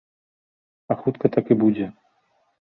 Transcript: А хутка так і будзе.